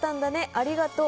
ありがとう。